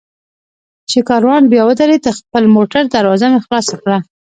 چې کاروان بیا ودرېد، د خپل موټر دروازه مې خلاصه کړه.